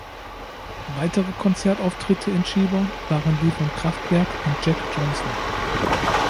Weitere Konzertauftritte in Chiba waren die von Kraftwerk und Jack Johnson.